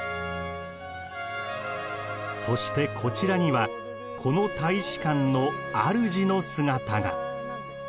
そしてこちらにはこの大使館のあるじの姿が。